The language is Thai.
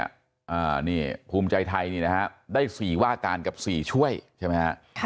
อ่านี่ภูมิใจไทยนี่นะฮะได้สี่ว่าการกับสี่ช่วยใช่ไหมฮะค่ะ